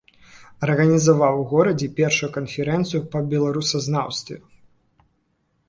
Арганізаваў у горадзе першую канферэнцыю па беларусазнаўстве.